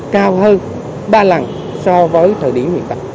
cao hơn ba lần so với thời điểm hiện tại